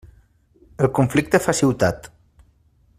El conflicte fa ciutat.